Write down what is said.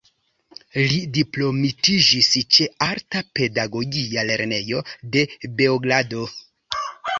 Li diplomitiĝis ĉe Alta Pedagogia Lernejo de Beogrado.